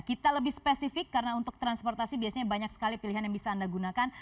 kita lebih spesifik karena untuk transportasi biasanya banyak sekali pilihan yang bisa anda gunakan